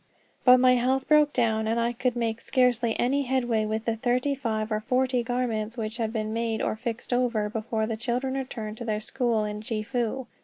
But my health broke down, and I could make scarcely any headway with the thirty five or forty garments which had to be made or fixed over, before the children returned to their school in Chefoo.